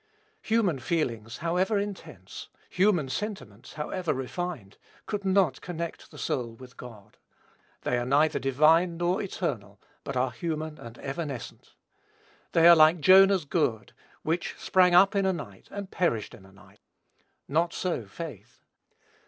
Human feelings, however intense, human sentiments, however refined, could not connect the soul with God. They are neither divine nor eternal, but are human and evanescent. They are like Jonah's gourd, which sprang up in a night, and perished in a night. Not so faith.